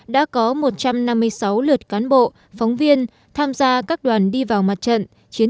đã có một trăm năm mươi sáu lượt cán bộ phóng viên tham gia các đoàn đi vào mặt trận